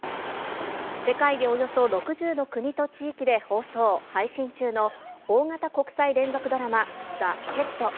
世界でおよそ６０の国と地域で放送、配信中の大型国際連続ドラマ、ＴＨＥＨＥＡＤ。